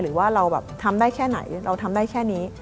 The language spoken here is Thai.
หรือว่าเราแบบทำได้แค่ไหนเราทำได้แค่นี้